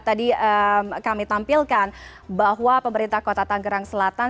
tadi kami tampilkan bahwa pemerintah kota tanggerang selatan